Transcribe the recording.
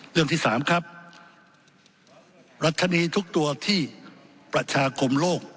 เรื่องที่สามครับรัชนีทุกตัวที่ประชาคมโลก